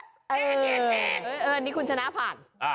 แกนแกนแกนเออนี่คุณชนะผ่าน